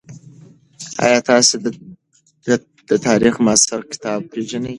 آیا تاسي د تاریخ مرصع کتاب پېژنئ؟